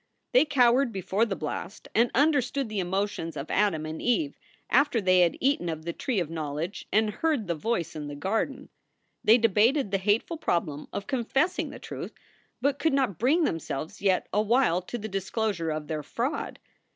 They cowered before the blast and understood the emo tions of Adam and Eve after they had eaten of the tree of knowledge and heard the Voice in the garden. They debated the hateful problem of confessing the truth, but could not bring themselves yet awhile to the disclosure of their fraud.